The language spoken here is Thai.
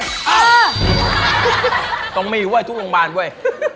ต้องมีเว้ยทุกโรงพยาบาลเว้ย